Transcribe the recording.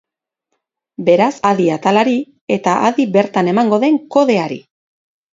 Beraz, adi atalari eta adi bertan emango den kodeari!